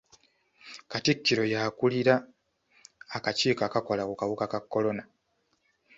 Katikkiro y'akuulira akakiiko akakola ku kawuka ka kolona.